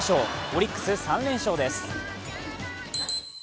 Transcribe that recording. オリックス３連勝です。